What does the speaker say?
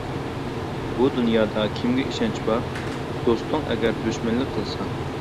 بۇ دۇنيادا كىمگە ئىشەنچ بار؟ دوستۇڭ ئەگەر دۈشمەنلىك قىلسا.